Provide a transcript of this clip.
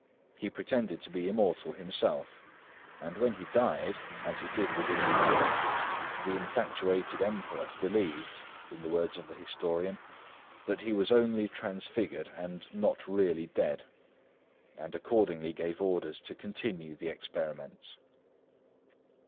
He pretended to be immortal himself; and when he died, as he did within the year, the infatuated Emperor believed, in the words of the historian, "that he was only transfigured and not really dead," and accordingly gave orders to continue the experiments.